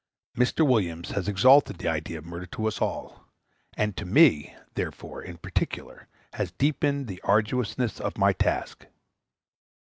Mr. Williams has exalted the ideal of murder to all of us; and to me, therefore, in particular, has deepened the arduousness of my task.